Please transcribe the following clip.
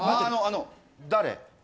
あの誰？